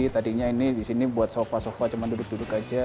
tadinya ini di sini buat sofa sofa cuma duduk duduk aja